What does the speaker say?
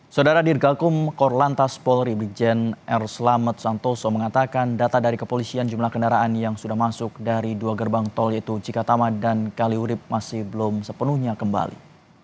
saudara dirgakum korlantas polri brigjen r selamat santoso mengatakan data dari kepolisian jumlah kendaraan yang sudah masuk dari dua gerbang tol yaitu cikatama dan kaliurip masih belum sepenuhnya kembali